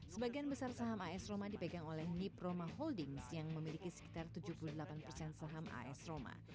sebagian besar saham as roma dipegang oleh nip roma holdings yang memiliki sekitar tujuh puluh delapan persen saham as roma